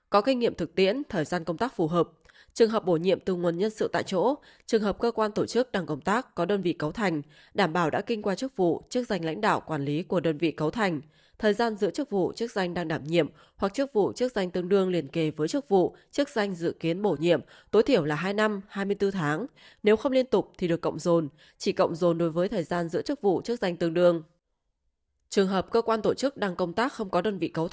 có kinh nghiệm thực tiễn thời gian công tác phù hợp trường hợp bổ nhiệm từ nguồn nhân sự tại chỗ trường hợp cơ quan tổ chức đang công tác có đơn vị cấu thành đảm bảo đã kinh qua chức vụ chức danh lãnh đạo quản lý của đơn vị cấu thành thời gian giữa chức vụ chức danh đang đảm nhiệm hoặc chức vụ chức danh tương đương liên kề với chức vụ chức danh dự kiến bổ nhiệm tối thiểu là hai năm hai mươi bốn tháng nếu không liên tục thì được cộng dồn chỉ cộng dồn đối với thời gian giữa chức vụ chức danh tương đ